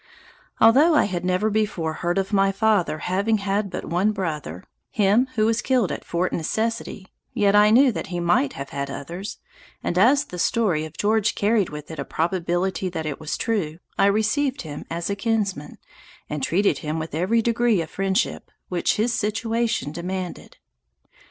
Although I had never before heard of my father having had but one brother, (him who was killed at Fort Necessity,) yet I knew that he might have had others, and, as the story of George carried with it a probability that it was true, I received him as a kinsman, and treated him with every degree of friendship which his situation demanded.